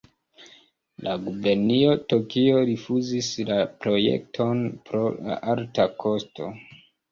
La gubernio Tokio rifuzis la projekton pro la alta kosto.